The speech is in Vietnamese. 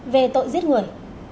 về tội giết người